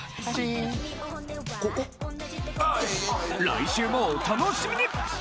来週もお楽しみに！